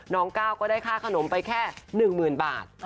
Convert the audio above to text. น้องก้าก็ได้ค่าขนมไปแค่๑หมื่นบาท